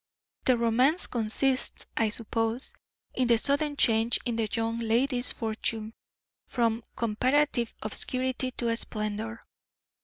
The romance consists, I suppose, in the sudden change in the young lady's fortune, from comparative obscurity to splendor.